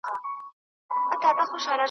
اوښکو د چا کله ګنډلی دی ګرېوان وطنه .